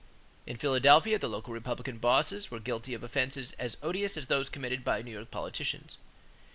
In Philadelphia, the local Republican bosses were guilty of offenses as odious as those committed by New York politicians.